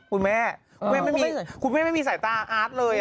คุณแม่คุณแม่ไม่มีสายตาอาร์ตเลย